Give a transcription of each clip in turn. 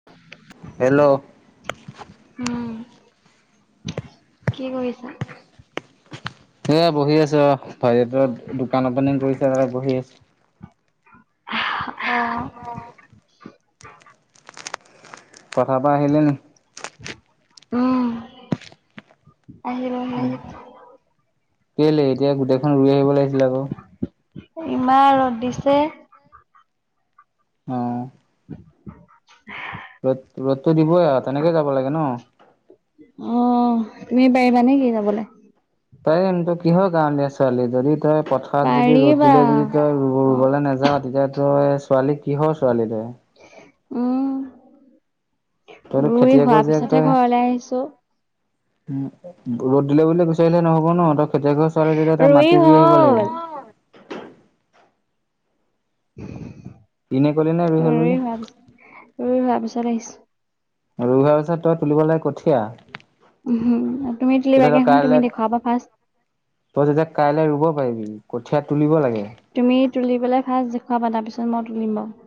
[inaudible] Hello উম কি কৰিছা? এই বহি আছো অ ভাইটি টোৱে দোকান অপেনিং কৰিছে বহি আছোঁ। অঁ। পথাৰ পৰা আহিলে নেকি? উম। আহিলো আহিলো কলে এতিয়া গোটেইখন ৰুই আহিব লাগিছিল আকৌ। ইমান ৰ'দ দিছে। অঁ। [inaudible] ৰ'দ টো দিবই আৰু তেনেকেই যাব লাগে ন। অ তুমি পাৰিবা নেকি যাবলে? পাৰিম তোৰ কিহৰ গাঁৱলিয়া ছোৱালী ছোৱালী যদি তই পথাৰত যদি ৰ'দ পাৰিবা। দিলে যদি তই অ', ৰুবলৈ নাযাওঁ তেতিয়া তই। ছোৱালী কিহৰ ছোৱালী তই? উম তইতো ৰুই হোৱা খেতিয়কৰ জীয়েক পিছতহে ঘৰলৈ আহিছোঁ। উম ৰ'দ দিলে বুলি গুচি আহিলে নহ'ব ন তই খেতিয়কৰ ছোৱালী যেতিয়া এটা মাটি ৰুই আহিব লাগিব। এনে ক'লি নে হ'ল বুলি? ৰুই হোৱা পিছ ৰুই হোৱাৰ পিছত আহিছোঁ। ৰুই হোৱা পিছত তই তুলিব লাগে কটীয়া। উম তুমি তলিবাগেুন তুমি দেখুওৱা বা ফাৰ্ষ্ট। তই তেতিয়াই কাইলৈ ৰুব পাৰিবি কঠীয়া তুলিব লাগে। তুমি তুলি পেলায় ফাৰ্ষ্ট দেখুৱাবা তাৰ পিছত মই তুলিম বাৰু।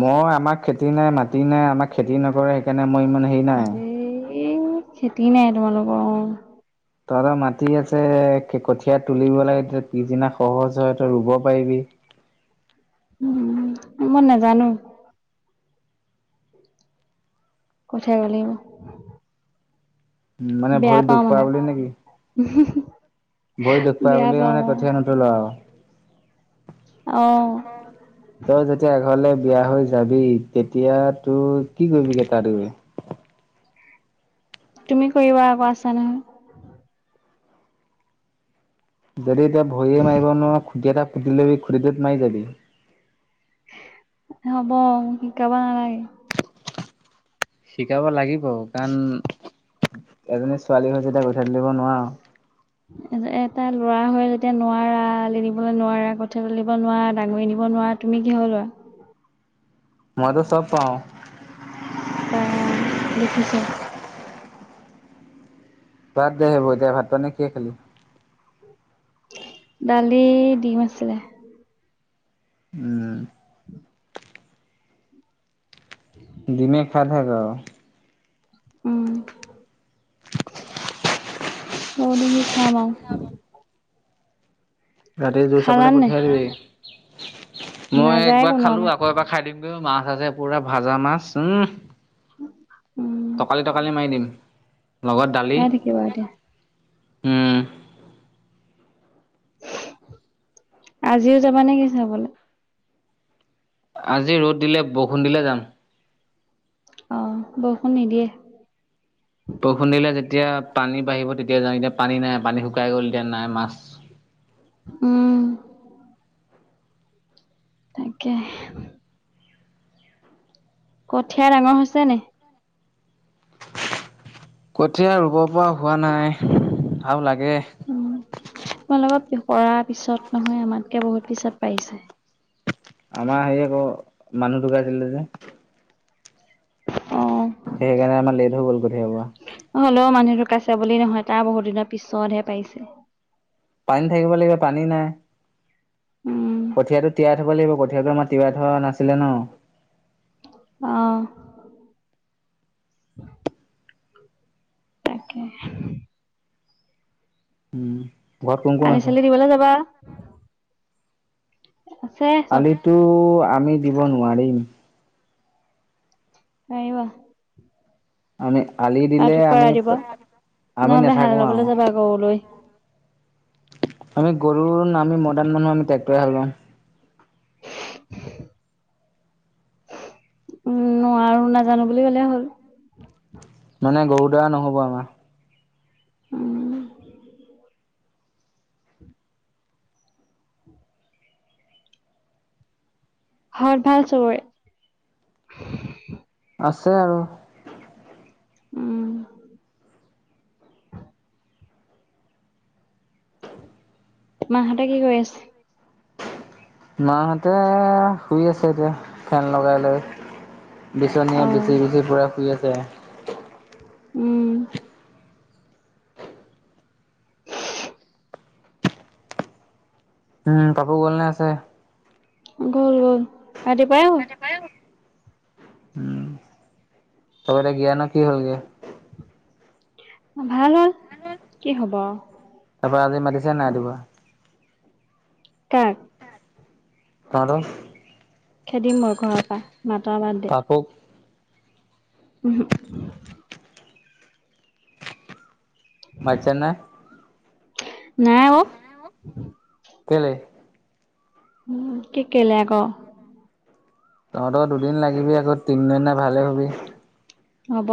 মই আমাক খেতি নাই মাটি নাই আমাক খেতি নকৰে সেইকাৰণে মই ইমান হেৰি নাই। সেই খেতি নাই তোমালোকৰ অঁ। তহঁতৰ মাটি আছে কঠীয়া তুলিব লাগে পিছত পিছদিনা সহজ হয় তই ৰুব পাৰিবি। উম মই নাজানোঁ। কঠীয়া ৰুব লাগিব। উম মানে বেয়া ভৰিত দুখ পাওঁ পোৱা মানে। বুলি নেকি ভৰিত দুখ পায় বেয়া বুলি পাওঁ মানে অ কঠীয়া নোতোলঁ আৰু। অঁ। তই যেতিয়া এঘৰলৈ বিয়া হৈ যাবি তেতিয়া তোৰ কি কৰিবিগে তাত গই? তুমি কৰিবা আকৌ আছা নহয়। যদি তই ভৰিয় মাৰিব নোৱাৰ খুটি এটা পুতি লবি খুটিটো মাৰি যাবি। হ'ব মোক শিকাব নালাগে। শিকাব লাগিব কাৰণ এজনী ছোৱালী হৈ যেতিয়া কঠীয়া তুলিব নোৱাৰ। [inaudible] এটা ল'ৰা হৈ যেতিয়া নোৱাৰা আলি দিবলে নোৱাৰা, কঠীয়া তুলিব নোৱাৰা, ডাঙৰি নিব নোৱাৰা তুমি কিহৰ ল'ৰা। মইটো চব পাৰো। উম দেখিছো। বাদ দে সেইবোৰ এতিয়া। ভাত-পানী কিহে খালি? দালি, ডিম আছিলে। উম। [inaudible] [inaudible] ডিমেই খাই থাক আৰু। উম। আৰুনো কি খাম আও? ৰাতি জোৰ চাবলে খালান নাই পঠিয়াই দিবি। মই নাযায় একবাৰ কোনো খালো আমাৰ আকৌ এবাৰ খাই দিম। মাছ আছে পুৰা ভাজা মাছ। উহ উম তকালি তকালি মাৰি দিম লগত দালি। খাই থাকিবা এতিয়া উম। আজিও যাবা নে কি চাবলে? আজি ৰ'দ দিলে, বৰষুণ দিলে যাম। অ, বৰষুণ নিদিয়ে। বৰষুণ দিলে যেতিয়া পানী বাঢ়িব তেতিয়া যাওঁ। এতিয়া পানী নাই পানী শুকাই গ'ল এতিয়া নাই মাছ। উম। তাকে। কঠীয়া ডাঙৰ হৈছে নে? কঠীয়া ৰুব পৰা হোৱা নাই আৰু লাগে। উম। তোমালোকৰ পৰা পিছত নহয় আমাতকে বহুত পিছত পাৰিছে। আমাৰ হেৰী আকৌ মানুহ ঢুকাইছিলে যে। অ। সেইকাৰণে আমাৰ লেট হৈ গ'ল কঠিয়া পৰা হ'লেও মানুহ ঢোকাইছে বুলি নহয় তাৰ বহুত দিনৰ পিছতহে পাৰিছে। পানী থাকিব লাগিব পানী নাই। উম কঠীয়াটো তিয়াই থব লাগিব কঠীয়াটো আমাৰ তিয়াই থোৱা নাছিলে ন। অ। তাকে। উম। ঘৰত কোন কোন আছে? আলি-চালি দিবলে যাবা। [inaudible] চব আলিটো আমি দিব নোৱাৰিম। পাৰিবা। আমি আলিত ৰাতিপুৱা ৰাতিপুৱা। নহ'লে নাথাকো হাল আৰু বাবলে যাবা গৰু লৈ। আমি গৰুৰ না আমি মডাৰ্ণ মানুহ আমি ট্ৰেক্টৰে হাল বাম। উম, নোৱাৰো নেজানো বুলি ক'লেই হ'ল। মানে গৰুৰ দ্বাৰা নহ'ব আমাৰ। উম। ঘৰত ভাল চবৰে? আছে আৰু। উম। মাহঁতে কি কৰি আছে? মাহঁতে শুই আছে, এতিয়া ফেন লগাই লৈ অ বিচনীয়ে বিচি বিচি পুৰা শুই আছে আও। উম। উম পাপু গ'ল নে আছে? গ'ল গ'ল ৰাতিপুৱাই গল, উম তহঁতৰ জ্ঞানৰ কি হ'লগে। ভাল হ'ল, কি হব আও। তাৰপৰা আজি মাতিছে নাই ৰাতিপুৱা। কাক? তহঁতক। খেদিম মই ঘৰৰ পৰা, মতাৰ বাত ডে। [inaudible] উম। মাতিছে নে। নাই অ'। কেলে? উম, কি কেলেই আকৌ'। তহঁতৰ দুদিন লাগিবি আকৌ তিনদিনা ভালে হবি। হ'ব।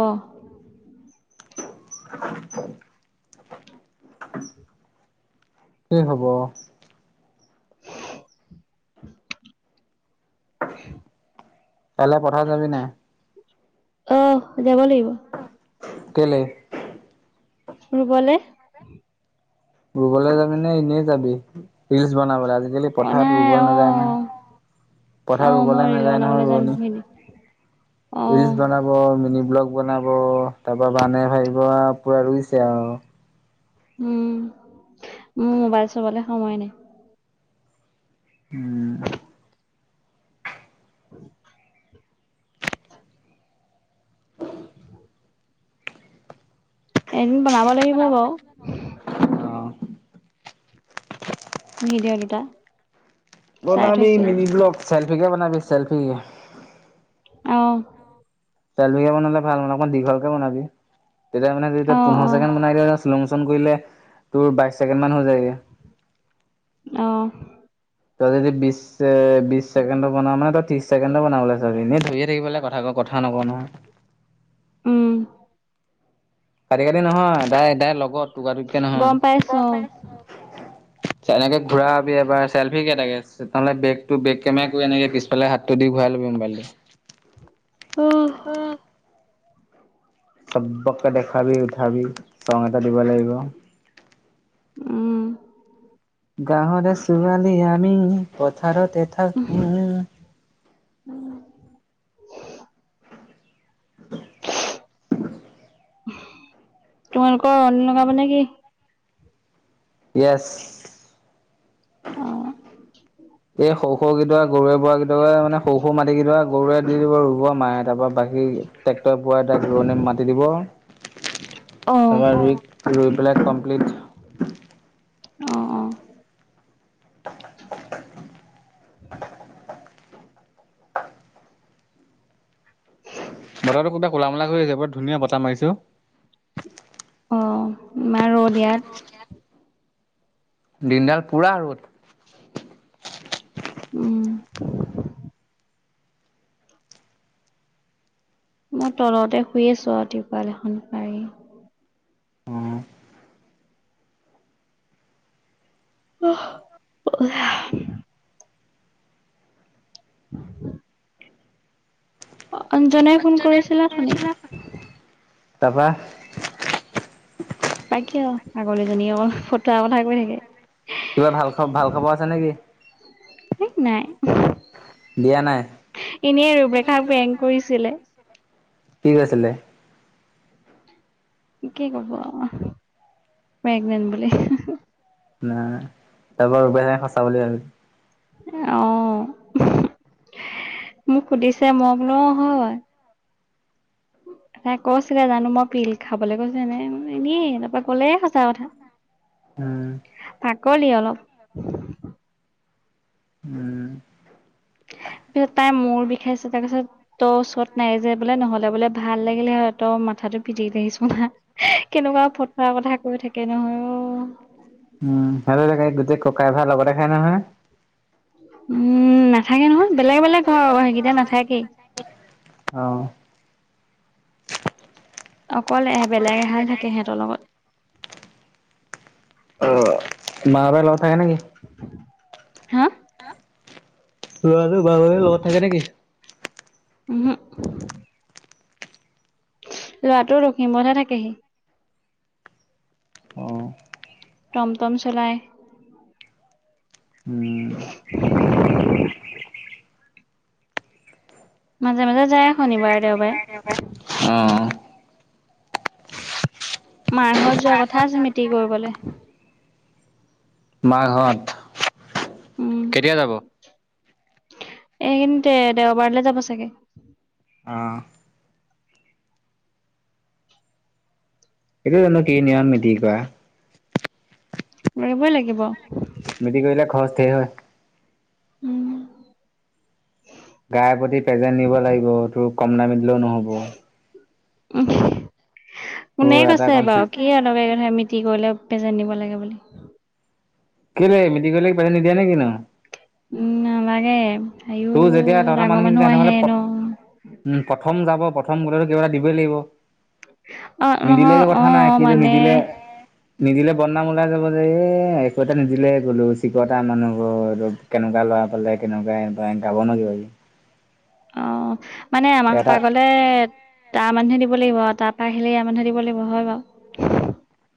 কি হ'ব? কাইলে পথাৰ যাবি নে নাই? অ, যাব লাগিব। কেলে? ৰুবলে। ৰুবলে যাবি নে এনেই যাবি ৰিলচ বনাবলে আজিকালি। অ পথাৰত নাই ৰুবলৈ অ নাযায় নহয়, অ পথাৰত মই ৰুবলৈ ৰিল নাযায় বনাবলৈ নহয় যাম ৰোৱনী। সেইখিনি অ ৰিলছ বনা ব মিনি ব্লগ বনাব, তাৰ পৰা মানুহে ভাবিব পুৰা ৰুইছে আৰু। উম, মোৰ মোবাইল চুবলৈ সময় নাই। উম। [inaudible] এদিন বনাব লাগিব বাও [inaudible] ভিডিঅ' দুটা। চাই বনাবি থৈছিলো মিনি ব্লগ চেল্ফিকে বনাবি চে। অঁ। চেল্ফিকে বনালে অলপ ভাল অকণ দীঘলকে বনাবি তেতিয়া মানে যেতিয়া অ পোন্ধৰ অ ছেকেণ্ড বনাই দিয়। লং চন কৰিলে তোৰ বাইশ ছেকেণ্ড মান হৈ যায়গৈ। অঁ। তই যদি বিশ বিশ ছেকেণ্ড বনা মানেই ত্ৰিশ ছেকেণ্ড বনাবলৈ চাবি। এনে ধৰিয়ে থাকিব লাগে কথা কথা নকও নহয়। উম। কাটি কাটি নহয়, তাই তাই লগত, টুকুৰা টুকুৰিকে নহয়। গম পাইছো [inaudible] এনেকে ঘুৰাবি এবাৰ চেল্ফি কে থাকে, [unintelligible] বেগটো বেগ কেমেৰা কৰি এনেকে এইফালে হাতটো দি ঘৰাই লবি মোবাইলটো। [unintelligible] সবকে দেখাবি উঠাবি, ৰং এটা দিব লাগিব। উম। গাঁৱৰে ছোৱালী আমি, পথাৰতে থাকো। তোমালোকৰ অন লগাব নেকি? ইএছ। অ'। এই সৰু সৰু [unintelligible] গৰুৱে বোৱা কেইটাক মানে সৰু, সৰু মাটি গিদৰা গৰুৱে দি দিব ৰুব মায়ে তাৰ পৰা বাকি, ট্ৰেক্টই বোৱাই [unintelligible] ৰুৱণি মাতি দিব। তাৰপৰা, অ ৰুই ৰুই পেলাই কমপ্লিট অ'। [inaudible] বতৰটো গোটেই কোলা, মূলা কৰি আহিছে, বৰ ধুনীয়া বতাহ মাৰিছে অ'। অ', ইমান ৰ'দ ইয়াত। দিন ডাল পুৰা ৰ'দ। উম। মই তলতে শুই আছো আৰু তিৰপাল এখন পাৰি। উম। [inaudible] [inaudible] অঞ্জজনাই ফুন কৰিছিলে অঠনি। তাৰপা তাকে আৰু, পাগলীজনী অ' ফতোৱা কথা কৈ থাকে। কিবা ভাল খ, ভাল খবৰ আছে নেকি? হেই, নাই। দিয়া নাই। এনেই আৰু বেকাৰ প্ৰেংক কৰিছিলে। কি কৈছিলে? কি কব আৰু, প্ৰেগনেণ্ট বুলি। নাই, [unintelligible] সঁচা বুলি ভাবি অ', মোক সুধিছে, মই বোলো অ' হয়। তাই কৈছিলে জানো, মই পিল খাবলৈ [unintelligible] কলে সঁচা কথা। [inaudible] উম। পাগলি অলপ। উম। পিছত তাইৰ মূৰ বিষাইছে, তাৰপিছত ত' ওচৰত নাই যে বোলে নহ'লে বোলে ভাল লাগিলে হয়, তই মাথাতটো পিটি থ আহিছোন হা। কেনেকুৱা ফটোৱা কথা কৈ থাকে নহয়। উম, ভালে লাগে গোটেই ককাই-ভাই লগতে খাই নহয়। উম' নাথাকে নহয়, বেলেগ বেলেগ ঘৰ সেইকেইটা নাথাকেই। অ। অকল বেলেগ এহাল থাকে সেহঁতৰ লগত। অ' মা, বাই লগত থাকে নেকি? হা? ল'ৰাটো বাপেৰৰ লগত থাকে নেকি? ওহোঁ। লৰাটো লখিমপুৰতে থাকে হি। অঁ। টমটম চলাই। উম'। মাজে মাজে যায়, শনিবাৰে, অ', দেওবাৰে। মাৰ ঘৰত যোৱা কথা আছে মিতি কৰিবলে। মা ঘৰত, কেতিয়া যাব? এইকিদিনতে দেওবাৰলে যাব চাগে। অঁ। এইটো জানো কি নিয়ম মিটিং কৰা। কৰিবই লাগিব। মিটিং কৰিলে খৰচ ধেই হয়। উম'। গাই পতি পেজেণ্ট নিব লাগিব, তোৰ কম দামি দিলেও নহ'ব। [unintelligible] তোৰ কোনে এটা কৈছে কমচে বাও, কি অদৰকাৰী কথা মিট টি কৰিলে পেজেণ্ট নিব লাগে বুলি। কেলে মিটিং কৰিলে কি পেজেণ্ট নিদিয়ে নে কি নো? উম' নালাগে, আইও তোৰ যেতিয়া তহঁতৰ ডাঙৰ মানুহখিনি মানুহ তেহেঁতৰ আহে ঘৰলে প ন। উম' প্ৰথম যাব, প্ৰথম গ'লেতো কিবা এটা দিবই লাগিব। অ', নিদিলে নহয় একো কথা নাই, অ', কিন্তু মানে নিদিলে নিদিলে বদনাম ওলাই যাব যে, এ একো এটা নিদিলে গ'লো চিকটা মানুহ ঘৰ। কেনেকুৱা ল'ৰা পালে, কেনেকুৱা ইহঁতৰ গাব ন' কিবা কিবি। অ' মানে আমাৰ ঘৰৰ পা এটা গলে। তাৰ মানুহে দিব লাগিব, তাপা আহিলে ইয়াৰ মানুহে দিব লাগিব, হয় বাৰু।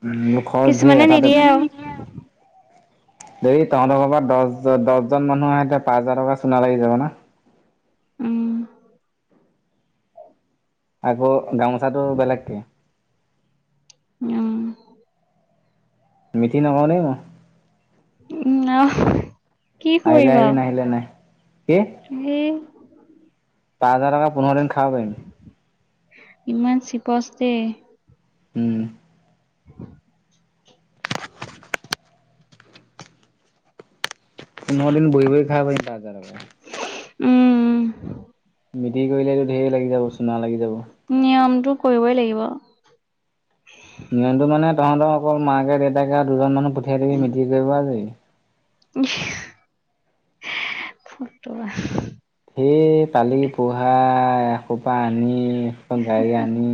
উম' খৰচ ধেৰ কিছুমানে এটা, কিছুমানে আৰু নিদিয়ে আও। যদি তহঁতৰ ঘৰৰ পা দহ দহজন মানুহ আহে, তেতিয়া পাঁচ হাজাৰ টকা চোনা লাগি যাব ন? উম'। আকৌ গামোচাটো বেলেগকে। অ'। মিটিৰ নহওঁ দেই মই। উম' অহ' কি আহিলে কৰিবা আহিবি নাহিলে নাই আৰু হে। পাঁচহাজাৰ টকা পোন্ধৰ দিন খাব পাৰিম। ইমান চিপচ দেই। উম'। [inaudible] পোন্ধৰ দিন বহি বহি খাব পাৰিম, পাঁচ হাজাৰ টকাত। উম'। মিটিৰ কৰিলেতো ঢেৰ লাগি যাব, চুনা লাগি যাব। নিয়মটো কৰিবই লাগিব। নিয়মটো মানে, তহঁতৰ অকল মাকে-দেউতাকে আৰু দুজন মানুহ পঠিয়াই দিবি মিতিৰ কৰিব আজৰি। উম। [inaudible] এই পালি-পোহা এসোপা আনি গাড়ী আনি।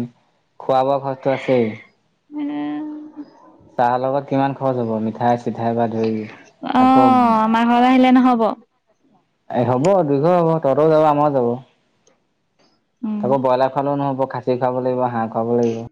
খোৱা-বোৱা খৰচটো আছেই। চাহৰ লগত কিমান খৰচ হ'ব, মিঠাই-চিঠাই পৰা ধৰি, অ আকৌ আমাৰ ঘৰলৈ আহিলে নহ'ব এ, হ'ব দুইঘৰে হ'ব তহঁতৰো যাব, আমাৰো যাব। উম তাকে ব্ৰইলাৰ খোৱালেও নহ'ব, খাছি খুৱাব লাগিব, হাঁহ খুৱাব লাগিব।